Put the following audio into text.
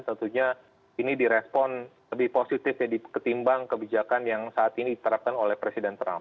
tentunya ini di respon lebih positif ya diketimbang kebijakan yang saat ini diterapkan oleh presiden trump